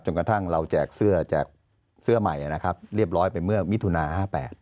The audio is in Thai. กระทั่งเราแจกเสื้อแจกเสื้อใหม่นะครับเรียบร้อยไปเมื่อมิถุนา๕๘